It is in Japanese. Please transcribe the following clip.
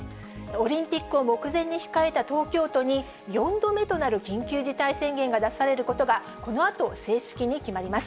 オリンピックを目前に控えた東京都に、４度目となる緊急事態宣言が出されることが、このあと、正式に決まります。